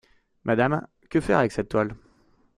Madame, que faire avec cette toile?